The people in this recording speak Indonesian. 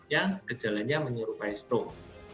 yang gejalanya menyerupai strok